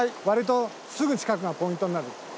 割とすぐ近くがポイントになる。